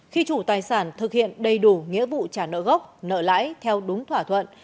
khi chủ tài sản thực hiện đầy đủ nghĩa vụ trả nợ gốc nợ lãi theo đúng thỏa thuận